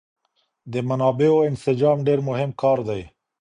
د منابعو انسجام ډېر مهم کار دی.